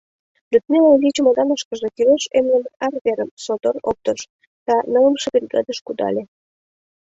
Людмила изи чемоданышкыже кӱлеш эмлыме арверым содор оптыш да нылымше бригадыш кудале...